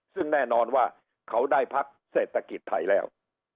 ซึ่งแน่นอนว่าเขาได้พักเศรษฐกิจไทยแล้ว